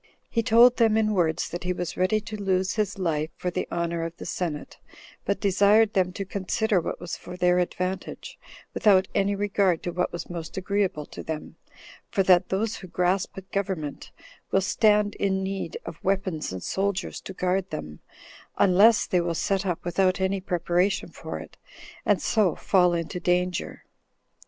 He told them in words that he was ready to lose his life for the honor of the senate, but desired them to consider what was for their advantage, without any regard to what was most agreeable to them; for that those who grasp at government will stand in need of weapons and soldiers to guard them, unless they will set up without any preparation for it, and so fall into danger.